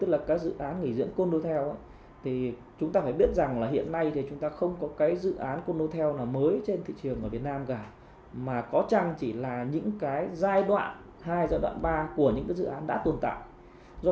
là một mươi hai thì tôi cho rằng là quá cao